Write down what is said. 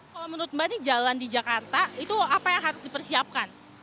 kalau menurut mbak ini jalan di jakarta itu apa yang harus dipersiapkan